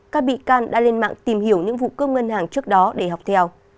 các bị can đã lên mạng tìm hiểu những vụ cướp ngân hàng trước đó để học theo